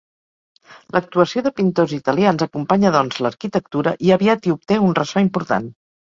L'actuació de pintors italians acompanya, doncs, l'arquitectura, i aviat hi obté un ressò important.